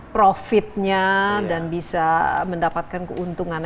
profitnya dan bisa mendapatkan keuntungan